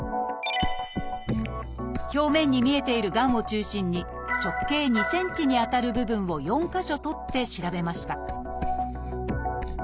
表面に見えているがんを中心に直径２ｃｍにあたる部分を４か所採って調べました